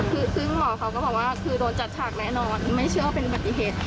คือคือหมอเขาก็บอกว่าคือโดนจัดฉากแน่นอนไม่เชื่อเป็นปฏิเหตุ